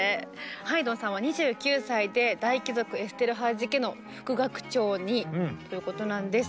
ハイドンさんは２９歳で大貴族エステルハージ家の副楽長にということなんですが。